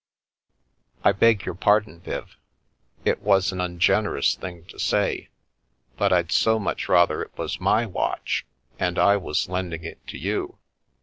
" I beg your pardon, Viv. It was an ungenerous thing to say. But I'd so much rather it was my watch and I was lending it to you."